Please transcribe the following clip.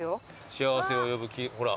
「倖せを呼ぶ」ほら。